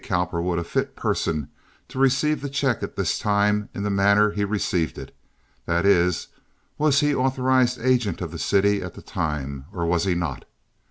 Cowperwood a fit person to receive the check at this time in the manner he received it—that is, was he authorized agent of the city at the time, or was he not?